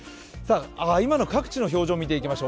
今の各地の表情を見ていきましょう。